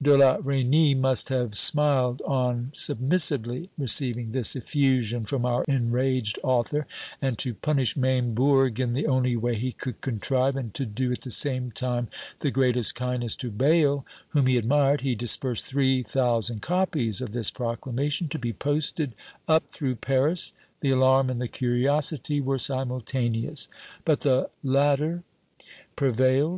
De la Reynie must have smiled on submissively receiving this effusion from our enraged author; and to punish Maimbourg in the only way he could contrive, and to do at the same time the greatest kindness to Bayle, whom he admired, he dispersed three thousand copies of this proclamation to be posted up through Paris; the alarm and the curiosity were simultaneous; but the latter prevailed.